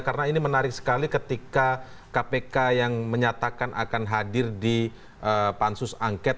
karena ini menarik sekali ketika kpk yang menyatakan akan hadir di pansus angket